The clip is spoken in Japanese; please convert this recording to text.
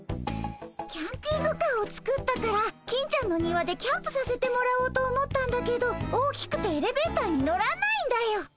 キャンピングカーを作ったから金ちゃんの庭でキャンプさせてもらおうと思ったんだけど大きくてエレベーターに乗らないんだよ。